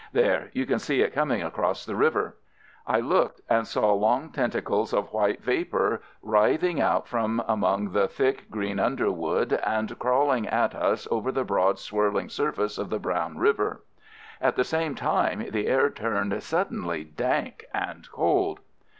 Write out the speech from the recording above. There, you can see it coming across the river." I looked and saw long tentacles of white vapour writhing out from among the thick green underwood and crawling at us over the broad swirling surface of the brown river. At the same time the air turned suddenly dank and cold.